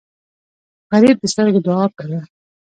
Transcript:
غریب د سترګو دعا ده